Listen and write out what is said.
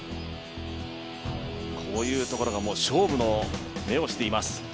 こういうところがもう勝負の目をしています。